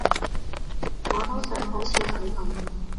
我都想好似佢噉